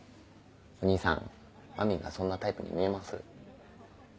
お義兄さんまみんがそんなタイプに見えます？